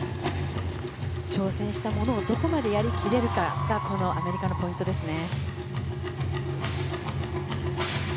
挑戦したものをどこまでやり切れるかがアメリカのポイントですね。